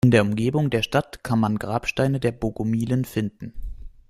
In der Umgebung der Stadt kann man Grabsteine der Bogomilen finden.